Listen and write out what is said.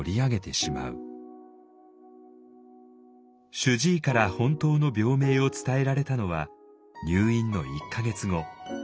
主治医から本当の病名を伝えられたのは入院の１か月後。